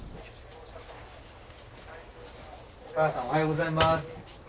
香川さんおはようございます。